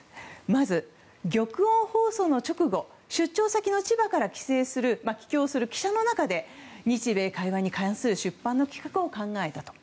まず玉音放送の直後出張先の千葉から帰京する汽車の中で日米会話に関する出版の企画を考えたと。